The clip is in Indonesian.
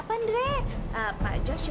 ini tuh dah